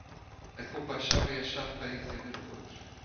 A compaixão é a chave para entender o outro.